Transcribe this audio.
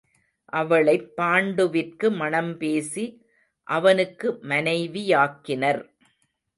அவளைப் பாண்டுவிற்கு மணம்பேசி அவனுக்கு மனைவியாக்கினர்.